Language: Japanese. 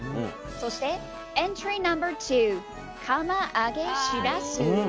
そしてエントリーナンバー２釜揚げしらす。